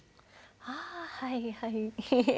ああはいはい。